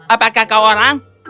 apakah kau orang